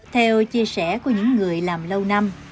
theo chia sẻ của những người làm lâu năm